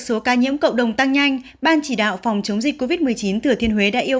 số ca nhiễm cộng đồng tăng nhanh ban chỉ đạo phòng chống dịch covid một mươi chín thừa thiên huế đã yêu